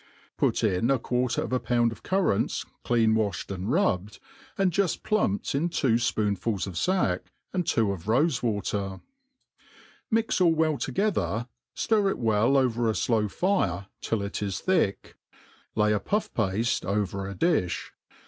Put in a quarter of a pound of currants clean walhed and rubbed, and juft plumped in two iboonfuls of fack and two of rofe water : mix all well, together, ttjr it well over a flow fire till it is thick, lay a pufF^pafle over . a diih.